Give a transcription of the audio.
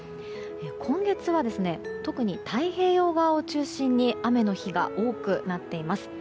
今月は特に太平洋側を中心に雨の日が多くなっています。